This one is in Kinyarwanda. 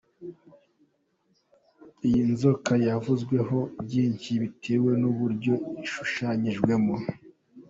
Iyi nzoka yavuzweho byinshi bitewe n'uburyo ishushanyijemo.